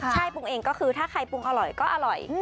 ใช่ปรุงเองก็คือถ้าใครปรุงอร่อยก็อร่อย